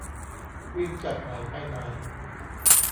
วิ่งจากไหนไปไหน